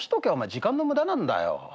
時間の無駄なんだよ。